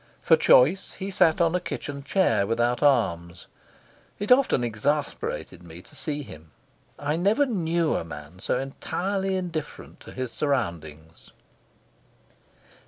For choice he sat on a kitchen chair without arms. It often exasperated me to see him. I never knew a man so entirely indifferent to his surroundings.